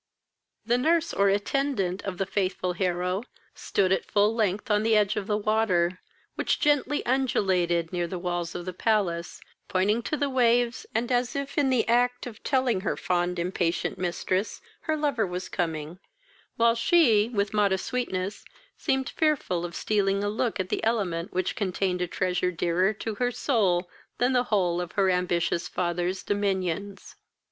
The nurse, or attendant of the faithful Hero stood at full length on the edge of the water, which gently undulated near the walls of the palace, pointing to the waves, and as if in the act of telling her fond, impatient mistress her lover was coming, while she, with modest sweetness, seemed fearful of stealing a look at the element which contained a treasure dearer to her soul that the whole of her ambitious father's dominions.